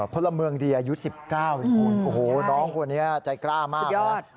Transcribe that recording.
พลเมืองดีอายุสิบเก้าอืมโอ้โหน้องคนนี้ใจกล้ามากสุดยอด